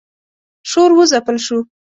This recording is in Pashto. شور و ځپل شو.